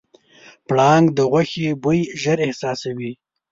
پړانګ د غوښې بوی ژر احساسوي.